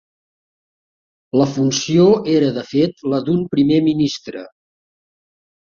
La funció era de fet la d'un primer ministre.